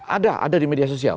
ada ada di media sosial